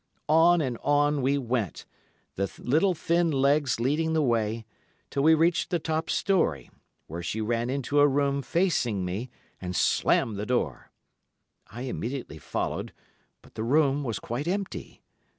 On and on we went, the little thin legs leading the way, till we reached the top storey, when she ran into a room facing me, and slammed the door. I immediately followed, but the room was quite empty.